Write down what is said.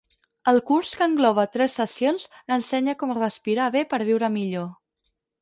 El curs que engloba tres sessions ensenya com respirar bé per viure millor.